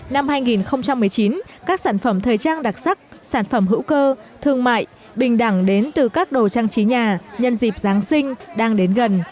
năm hai nghìn một mươi chín các sản phẩm thời trang đặc sắc sản phẩm hữu cơ thương mại bình đẳng đến từ các đồ trang trí nhà nhân dịp giáng sinh đang đến gần